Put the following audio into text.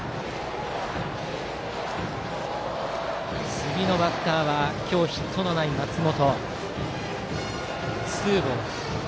次のバッターは今日、ヒットのない松本。